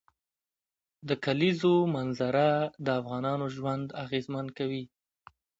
د کلیزو منظره د افغانانو ژوند اغېزمن کوي.